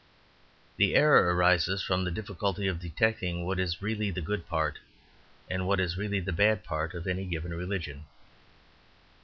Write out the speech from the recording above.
The error arises from the difficulty of detecting what is really the good part and what is really the bad part of any given religion.